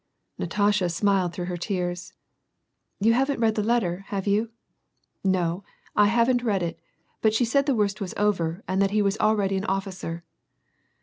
Natasha smiled through her tears, —" You haven't read the letter, have you ?"'< No, I haven't read it, but she said the worst was over, and that he was already an officer."